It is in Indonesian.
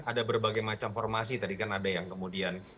ada berbagai macam formasi tadi kan ada yang kemudian